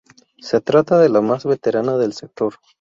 Se trata de la más veterana del sector.